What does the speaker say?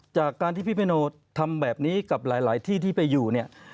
จากการที่พี่เพโนทำแบบนี้กับหลายที่ที่ไปอยู่เนี่ย